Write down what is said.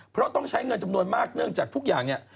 เพราะต้องใช้เงินจำนวนมากเนื่องจากทุกอย่างเนี่ย